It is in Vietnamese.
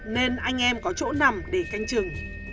nên anh em có chỗ nằm để canh chừng